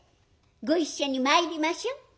ご一緒に参りましょう」。